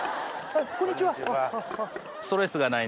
こんにちは。